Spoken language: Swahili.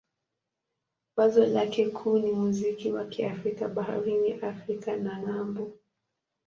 Wazo lake kuu ni muziki wa Kiafrika barani Afrika na ng'ambo.